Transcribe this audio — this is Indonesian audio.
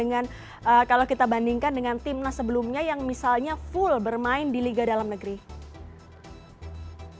kalau kita bandingkan dengan timnas sebelumnya yang misalnya full bermain di liga dalam negeri